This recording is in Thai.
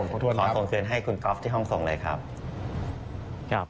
ขอส่งคืนให้คุณก๊อฟที่ห้องส่งเลยครับ